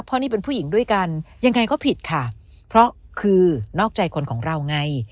เพราะนี่เป็นผู้หญิงด้วยกันยังไงก็ผิดค่ะเพราะคือนอกใจคนของเราไง